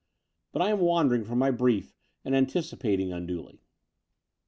But I am wandering from my brief and anticipating tmdtdy.